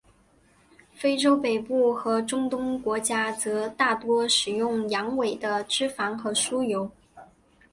非洲北部和中东国家则大多使用羊尾的脂肪和酥油。